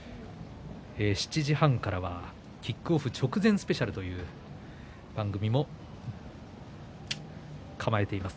７時半からは「キックオフ直前スペシャル」という番組も構えております。